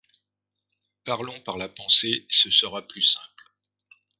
Parlons par la pensée, ce sera plus simple.